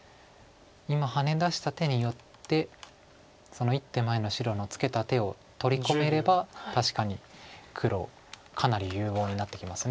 今ハネ出した手によってその１手前の白のツケた手を取り込めれば確かに黒かなり有望になってきます。